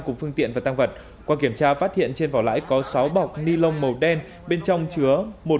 cùng phương tiện và tăng vật qua kiểm tra phát hiện trên vỏ lãi có sáu bọc ni lông màu đen bên trong chứa